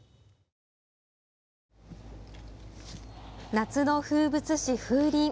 夏の風物詩、風鈴。